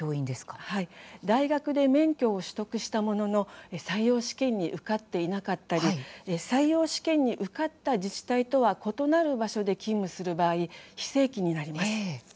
大学で免許を取得したものの採用試験に受かっていなかったり採用試験に受かった自治体とは異なる場所で勤務する場合非正規になります。